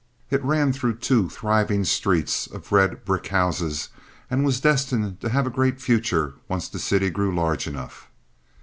It ran through two thriving streets of red brick houses, and was destined to have a great future once the city grew large enough.